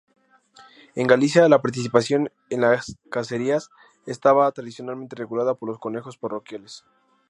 En Galicia la participación en las cacerías estaba tradicionalmente regulada por los consejos parroquiales.